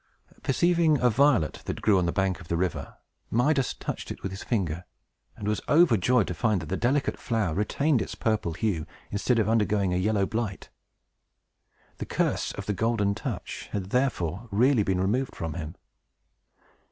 Perceiving a violet, that grew on the bank of the river, Midas touched it with his finger, and was overjoyed to find that the delicate flower retained its purple hue, instead of undergoing a yellow blight. The curse of the Golden Touch had, therefore, really been removed from him.